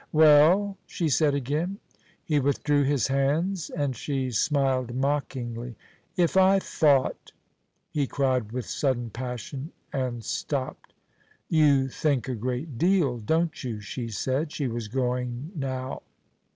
"Well?" she said again. He withdrew his hands, and she smiled mockingly. "If I thought " he cried with sudden passion, and stopped. "You think a great deal, don't you?" she said. She was going now.